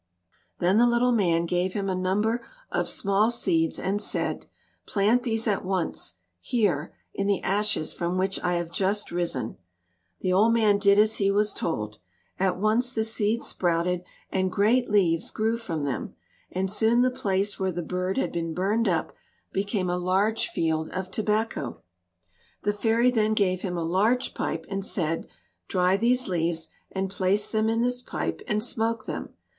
Then the little man gave him a number of small seeds and said, "Plant these at once, here, in the ashes from which I have just risen." The old man did as he was told. At once the seeds sprouted and great leaves grew from them, and soon the place where the bird had been burned up became a large field of Tobacco. The fairy then gave him a large pipe and said, "Dry these leaves and place them in this pipe and smoke them.